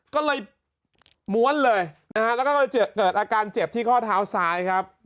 ก็เลยม้วนเลยนะฮะแล้วก็เกิดอาการเจ็บที่ข้อเท้าซ้ายครับ